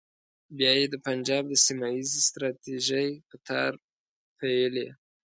بیا یې د پنجاب د سیمه ییزې ستراتیژۍ په تار پېیلې.